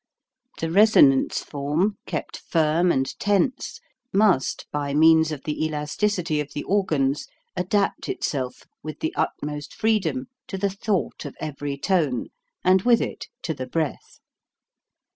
The resonance form, kept firm and tense, must by means of the elasticity of the organs adapt itself with the utmost freedom to the thought of every tone, and with it, to the breath.